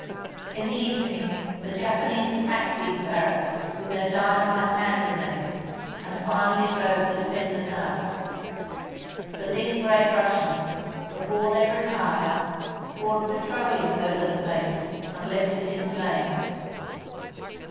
In the evening the Japanese at tacked these barracks with their dynamite hand grenades, and finally drove the defenders out. But these brave Russians, before they retired, poured petroleum over the place and left it in flames.